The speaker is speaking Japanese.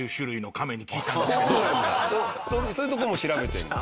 そういうとこも調べてるの。